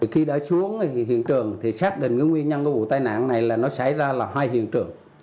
khi đã xuống hiện trường thì xác định nguyên nhân của vụ tai nạn này là nó xảy ra là hai hiện trường